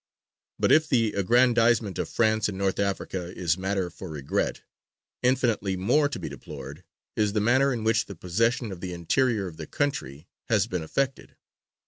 But if the aggrandizement of France in North Africa is matter for regret, infinitely more to be deplored is the manner in which the possession of the interior of the country has been effected.